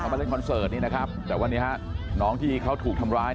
มาเล่นคอนเสิร์ตนี้นะครับแต่วันนี้ฮะน้องที่เขาถูกทำร้าย